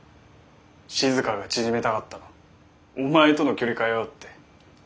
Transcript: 静が縮めたかったのお前との距離かよって。